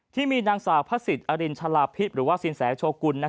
ที่มีนางสาวพระศิษย์อรินชาลาพิษหรือว่าสินแสโชกุล